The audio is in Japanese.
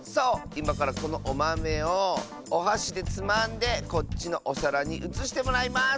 いまからこのおまめをおはしでつまんでこっちのおさらにうつしてもらいます！